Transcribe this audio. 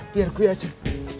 biar gue ajak